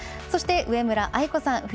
そして、上村愛子さん